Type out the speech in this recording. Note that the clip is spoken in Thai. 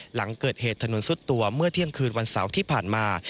หลังเกิดเหตุถนนสุดตัวเมื่อเที่ยงคืนวันเสาร์ที่ผ่านมา